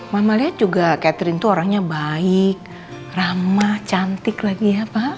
mama lihat juga catherine itu orangnya baik ramah cantik lagi ya pak